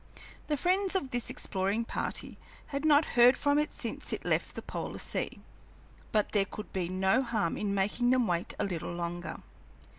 The friends of this exploring party had not heard from it since it left the polar sea, but there could be no harm in making them wait a little longer.